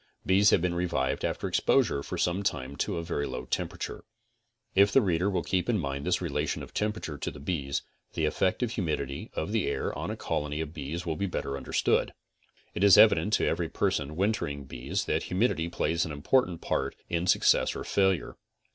Bees have been revived after ex posure, for some time to a very low temperature. If the reader will keep in mind this relation of temperature to the bees, the effect of humidity of the air on a colony of bees will be better understood. It is evident to every person wintering bees that humidity plays an important part in success or failure.